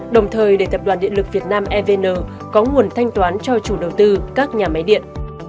đồng thời để tập đoàn điện lực việt nam evn có nguồn thanh toán cho chủ đầu tư các nhà máy điện